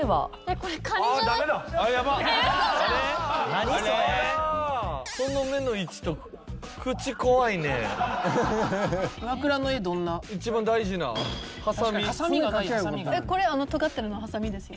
これとがってるのハサミですよ。